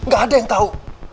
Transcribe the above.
gak ada yang tau